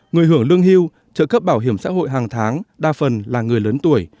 người hưởng lương hưu trợ cấp bảo hiểm xã hội hàng tháng đa phần là người lớn tuổi